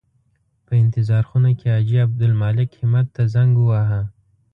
په انتظار خونه کې حاجي عبدالمالک همت ته زنګ وواهه.